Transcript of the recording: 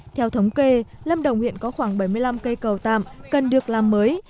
theo thống kê lâm đồng hiện có khoảng bảy mươi năm cây cầu tạm cần được làm mới